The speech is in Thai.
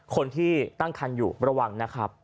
คนที่ตั้งคันอยู่ระวังนะครับ